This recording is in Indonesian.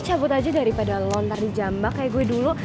cepet aja daripada lo ntar di jambak kayak gue dulu